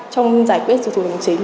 trong giải quyết dịch vụ công trực tuyến